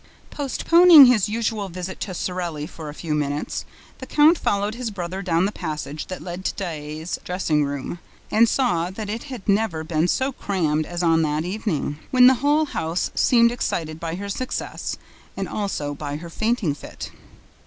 Postponing his usual visit to Sorelli for a few minutes, the count followed his brother down the passage that led to Daae's dressing room and saw that it had never been so crammed as on that evening, when the whole house seemed excited by her success and also by her fainting fit.